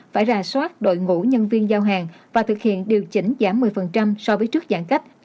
phải rà soát đội ngũ nhân viên giao hàng và thực hiện điều chỉnh giảm một mươi so với trước giãn cách